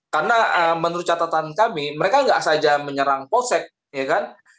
karena menurut catatan kami mereka tidak saja menyerang polsek ya kan